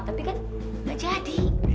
tapi kan nggak jadi